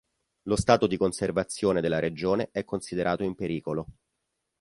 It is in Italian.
Lo stato di conservazione della regione è considerato in pericolo.